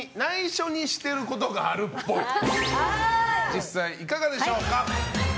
実際いかがでしょうか？